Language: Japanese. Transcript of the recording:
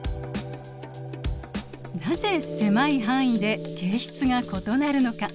なぜ狭い範囲で形質が異なるのか。